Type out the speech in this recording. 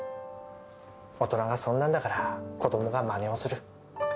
大人がそんなんだから子供がまねをする